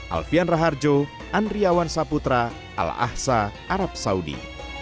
alfian raharjo andriawan saputra al ahsa arab saudi